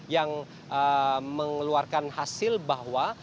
yang mengeluarkan hasil bahwa